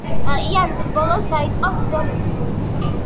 იანვრის ბოლოს დაიწყო ბრძოლები.